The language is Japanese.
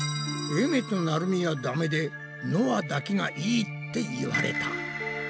えめとなるみはダメでのあだけがいいって言われた。